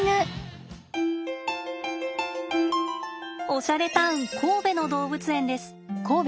おしゃれタウン神戸の動物園です。